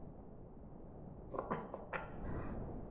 Aplikazioen ikonoak eta sare sozialak.